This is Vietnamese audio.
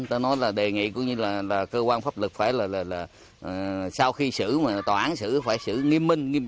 ta nói là đề nghị cũng như là cơ quan pháp lực phải là sau khi xử mà tòa án xử phải xử nghiêm minh nghiêm